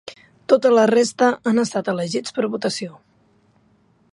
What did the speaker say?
Tota la resta han estat elegits per votació.